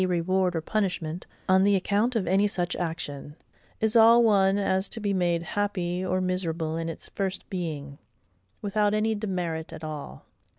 reward or punishment, on the account of any such action, is all one as to be made happy or miserable in its first being, without any demerit at all.